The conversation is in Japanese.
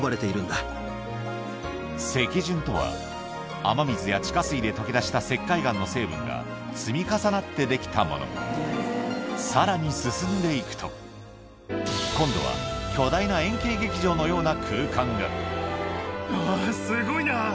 石筍とは雨水や地下水で溶け出した石灰岩の成分が積み重なってできたものさらに進んで行くと今度は巨大な円形劇場のような空間があぁすごいな。